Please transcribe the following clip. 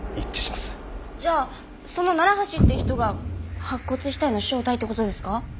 じゃあその楢橋って人が白骨死体の正体って事ですか？